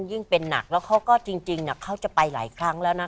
ยิ่งเป็นหนักแล้วเขาก็จริงเขาจะไปหลายครั้งแล้วนะ